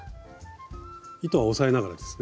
糸は押さえながらですね？